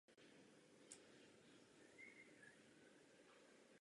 V obci se také hraje fotbal.